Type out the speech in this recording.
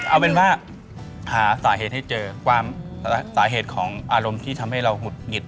เอาเป็นว่าหาสาเหตุให้เจอความสาเหตุของอารมณ์ที่ทำให้เราหุดหงิด